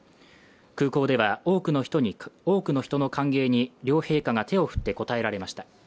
空港では、多くの人の歓迎に両陛下が手を振って応えられました。